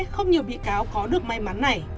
không nhiều bi cáo có được may mắn này